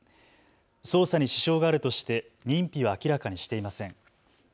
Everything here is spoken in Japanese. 捜査に支障があるとして認否を明らかにしていません。